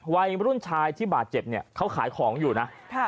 วัยรุ่นชายที่บาดเจ็บเนี่ยเขาขายของอยู่นะ